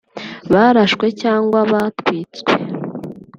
barashwe cyangwa batwitswe